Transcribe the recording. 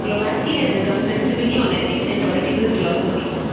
Lomasky has written principally on ethics and political philosophy.